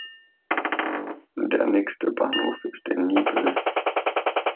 Der nächste Bahnhof ist in Niebüll.